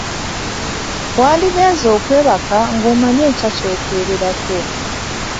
Wandigenze okwebaka nga omanyi enkya ky'okeererako.